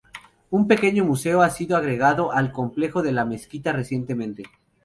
Un pequeño museo ha sido agregado al complejo de la mezquita recientemente.